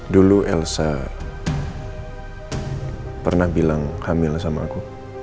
dulu elsa pernah bilang hamil sama aku